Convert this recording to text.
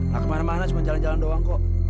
nah kemana mana cuma jalan jalan doang kok